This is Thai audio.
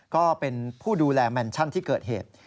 ก็เป็นผู้ดูแลแมนชั่นที่เกิดเหตุ